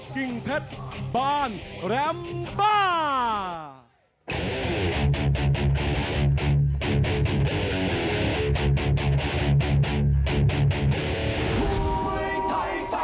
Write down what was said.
กิ่งเพชรบ้านแรมบ้า